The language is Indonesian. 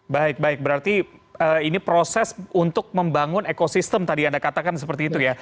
baik baik berarti ini proses untuk membangun ekosistem tadi anda katakan seperti itu ya